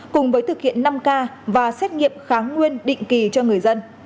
cùng với thực hiện năm k và xét nghiệm kháng nguyên định kỳ cho người dân